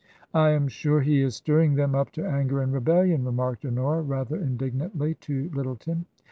" I am sure he is stirring them up to anger and rebel lion," remarked Honora, rather indignantly, to Lyttleton.